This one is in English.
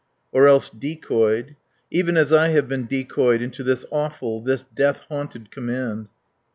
Or else decoyed. Even as I have been decoyed into this awful, this death haunted command.